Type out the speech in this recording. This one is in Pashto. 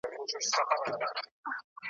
لا یې ستوني ته نغمه نه وه راغلې `